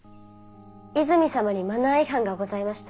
泉様にマナー違反がございました。